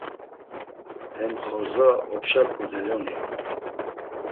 Hem xordza opşa ǩudeloni on.